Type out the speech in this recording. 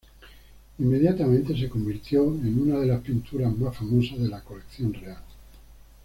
Inmediatamente se convirtió en una de las pinturas más famosas de la colección real.